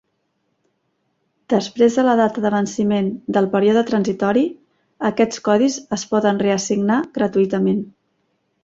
Després de la data de venciment del període transitori, aquests codis es poden reassignar gratuïtament.